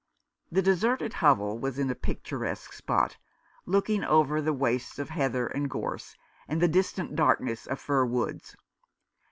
The deserted hovel was in a picturesque spot, looking over wastes of heather and gorse, and the distant darkness of fir woods.